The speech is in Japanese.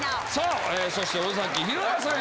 そして尾崎裕哉さん